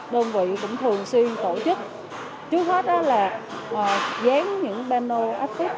đơn vị cũng thường xuyên tổ chức trước hết là dán những baino ách thích